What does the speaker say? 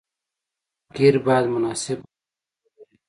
قیر باید مناسب غلظت ولري